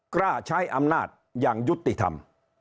กล้าใช้อำนาจอย่างยุติธรรม